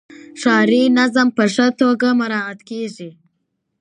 ښاري نظم په ښه توګه مراعات کیږي.